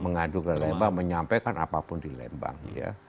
mengadu ke lembang menyampaikan apapun di lembang ya